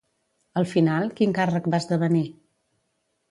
Al final, quin càrrec va esdevenir?